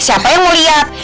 siapa yang mau lihat